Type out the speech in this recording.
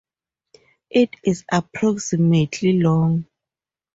It is approximately long.